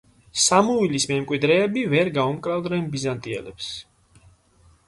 სამუილის მემკვიდრეები ვერ გაუმკლავდნენ ბიზანტიელებს.